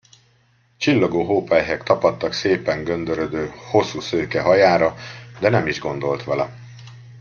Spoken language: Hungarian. Csillogó hópelyhek tapadtak szépen göndörödő, hosszú szőke hajára, de nem is gondolt vele.